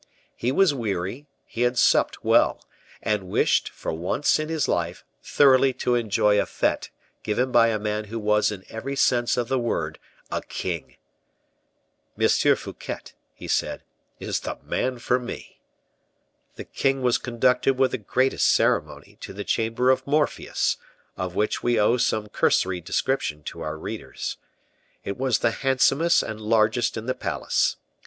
He was weary, he had supped well, and wished, for once in his life, thoroughly to enjoy a fete given by a man who was in every sense of the word a king. "M. Fouquet," he said, "is the man for me." The king was conducted with the greatest ceremony to the chamber of Morpheus, of which we owe some cursory description to our readers. It was the handsomest and largest in the palace.